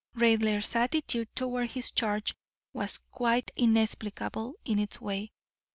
Raidler's attitude toward his charge was quite inexplicable in its way.